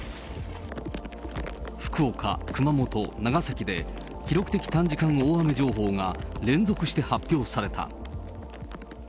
福岡、熊本、長崎で、記録的短時間大雨情報が連続して発表された。